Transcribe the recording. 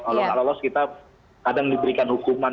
kalau nggak lolos kita kadang diberikan hukuman